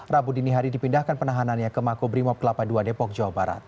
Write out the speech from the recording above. rabu dini hari dipindahkan penahanannya ke makobrimob kelapa ii depok jawa barat